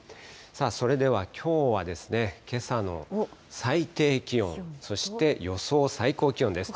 それではきょうは、けさの最低気温、そして、予想最高気温です。